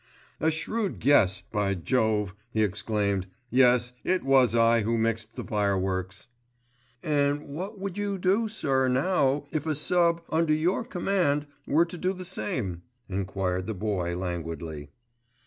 "A shrewd guess, by jove," he exclaimed, "Yes, it was I who mixed the fireworks." "And what would you do sir now if a sub., under your command, were to do the same," enquired the Boy languidly.